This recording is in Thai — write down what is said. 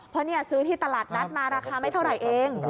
เพราะนี่ซื้อที่ตลาดนัดมาราคาไม่เท่าไหร่เอง